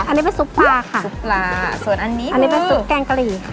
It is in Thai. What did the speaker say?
อันนี้เป็นซุปปลาค่ะซุปปลาส่วนอันนี้อันนี้เป็นซุปแกงกะหรี่ค่ะ